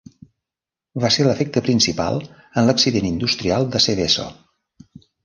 Va ser l'efecte principal en l'accident industrial de Seveso.